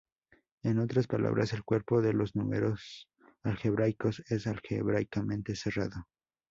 En otras palabras, el cuerpo de los números algebraicos es algebraicamente cerrado.